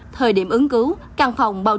thời điểm ứng cứu căn phòng báo chí